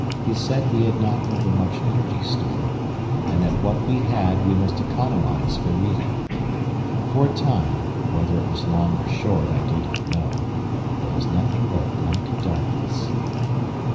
He said we had not overmuch energy stored, and that what we had we must economise for reading. For a time, whether it was long or short I do not know, there was nothing but blank darkness.